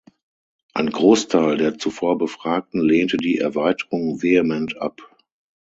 Ein Großteil der zuvor Befragten lehnte die Erweiterung vehement ab.